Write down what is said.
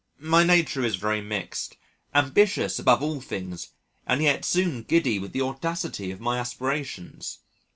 My nature is very mixed ambitious above all things and yet soon giddy with the audacity of my aspirations.